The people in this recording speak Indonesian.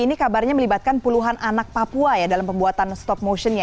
ini kabarnya melibatkan puluhan anak papua ya dalam pembuatan stop motionnya